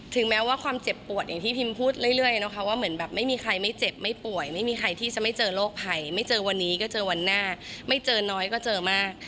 แม้ว่าความเจ็บปวดอย่างที่พิมพูดเรื่อยนะคะว่าเหมือนแบบไม่มีใครไม่เจ็บไม่ป่วยไม่มีใครที่จะไม่เจอโรคภัยไม่เจอวันนี้ก็เจอวันหน้าไม่เจอน้อยก็เจอมาก